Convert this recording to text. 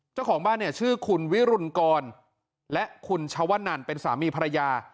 เจ้าของบ้านเนี่ยชื่อคุณวิรุณกรและคุณชวนันเป็นสามีภรรยา